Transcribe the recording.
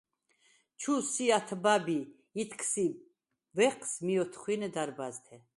– ჩუ ს’ათბა̄̈ბ ი ითქს ი უ̂ეჴს მ’ოთხუ̂ინე დარბა̈ზთე.